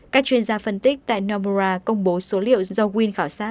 các chuyên gia phân tích tại nomura công bố số liệu do wynn khảo sát